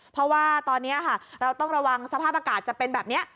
เพราะว่าตอนนี้ค่ะเราต้องระวังสภาพอากาศจะเป็นแบบนี้